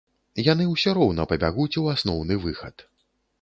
Яны ўсё роўна пабягуць у асноўны выхад.